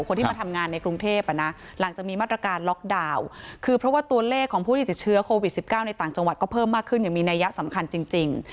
คนที่มาทำงานในกรุงเทพหลังจากมีมาตรการล็อกดาวน์คือเพราะว่าตัวเลขของผู้ที่ติดเชื้อโควิด๑๙ในต่างจังหวัดก็เพิ่มมากขึ้นอย่างมีนัยยะสำคัญจริง